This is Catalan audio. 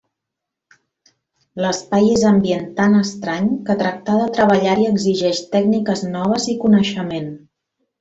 L'espai és ambient tan estrany que tractar de treballar-hi exigeix tècniques noves i coneixement.